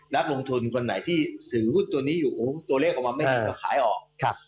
นักลงทุนคนไหนที่ถือหุ้นตัวนี้อยู่ตัวเลขออกมาไม่ถึงก็ขายออก